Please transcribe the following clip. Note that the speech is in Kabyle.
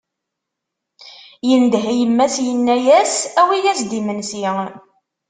Yendeh i yemma-s yenna-as: Awi-as-d imensi!